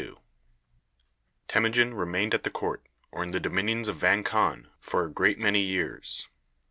Temujin remained at the court, or in the dominions of Vang Khan, for a great many years.